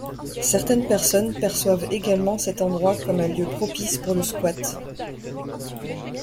Certaines personnes perçoivent également cet endroit comme un lieu propice pour le squat.